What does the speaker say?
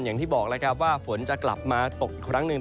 อย่างที่บอกว่าฝนจะกลับมาตกอีกครั้งหนึ่ง